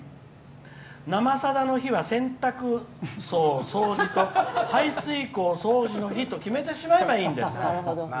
「生さだ」の日は掃除と排水溝掃除の日って決めてしまえばいいんです。